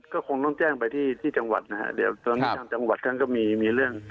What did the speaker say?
ก็คงต้องแจ้งไปที่จังหวัดนะฮะเดี๋ยวตอนนี้ทางจังหวัดท่านก็มีมีเรื่อง